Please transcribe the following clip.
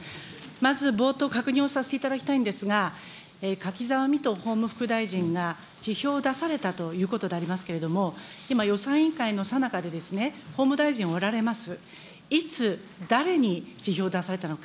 まず冒頭、確認をさせていただきたいんですが、辞表を出されたということでありますけれども、今、予算委員会のさなかで、法務大臣おられます。